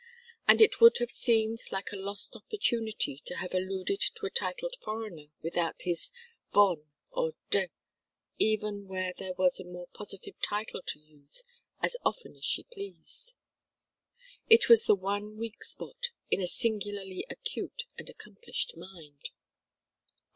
And it would have seemed like a lost opportunity to have alluded to a titled foreigner without his "von" or "de," even where there was a more positive title to use as often as she pleased. It was the one weak spot in a singularly acute and accomplished mind.